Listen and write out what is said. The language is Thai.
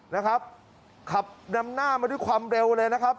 นะครับขับนำหน้ามาด้วยความเร็วเลยนะครับ